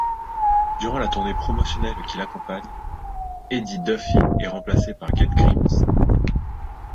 Durant la tournée promotionnelle qui l'accompagne, Eddie Duffy est remplacé par Ged Grimes.